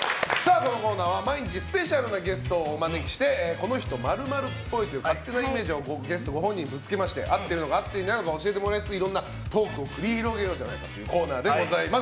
このコーナーは毎日スペシャルなゲストをお招きしてこの人○○っぽいという勝手なイメージをゲストご本人にぶつけまして合ってるか合ってないか教えてもらいつついろんなトークを繰り広げるコーナーです。